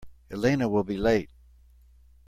Elena will be late.